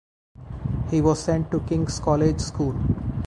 He was sent to King's College School.